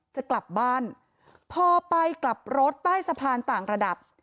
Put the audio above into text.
จะกลับบ้านพอไปกลับรถใต้สะพานต่างระดับ